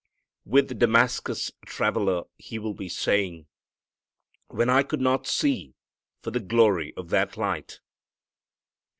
With the Damascus traveller he will be saying, "When I could not see for the glory of that light."